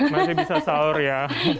masih bisa sahur ya